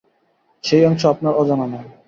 সেই অংশ আপনার অজানা নয়।